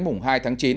mùng hai tháng chín